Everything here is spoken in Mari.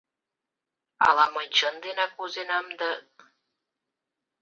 Ала мый чын денак возенам да?